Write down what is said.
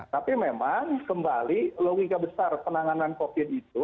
tapi memang kembali logika besar penanganan covid itu